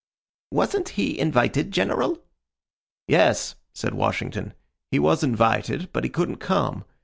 "Wasn't he invited, General?" "Yes," said Washington, "he was invited, but he couldn't come.